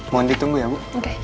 mohon ditunggu ya bu